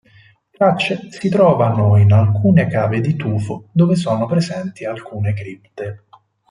Tracce si trovano in alcune cave di tufo, dove sono presenti alcune cripte.